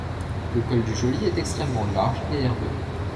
Le col du Joly est extrêmement large et herbeux.